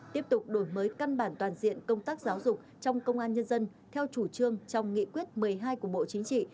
tiếp tục đổi mới căn bản toàn diện công tác giáo dục trong công an nhân dân theo chủ trương trong nghị quyết một mươi hai của bộ chính trị